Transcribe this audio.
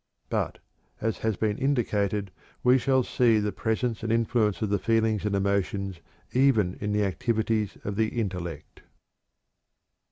But, as has been indicated, we shall see the presence and influence of the feelings and emotions even in the activities of the intellect.